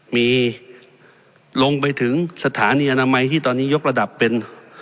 มีลงไปถึงสถานีอนามัยที่ตอนนี้ยกระดับเป็น